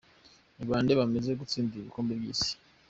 Ni bande bamaze gutsindira ibikombe vy'isi?.